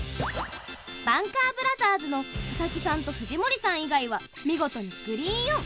バンカーブラザーズの佐々木さんと藤森さん以外は見事にグリーンオン。